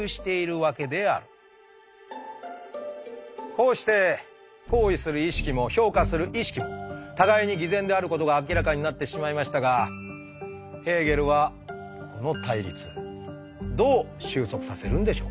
こうして行為する意識も評価する意識も互いに偽善であることが明らかになってしまいましたがヘーゲルはこの対立どう収束させるんでしょうか？